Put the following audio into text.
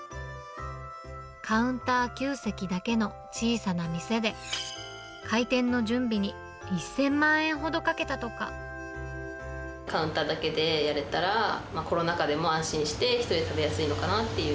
カウンター９席だけの小さな店で、開店の準備に１０００万円ほどかカウンターだけでやれたら、コロナ禍でも安心して１人で食べやすいのかなっていう。